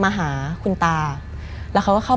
มันกลายเป็นรูปของคนที่กำลังขโมยคิ้วแล้วก็ร้องไห้อยู่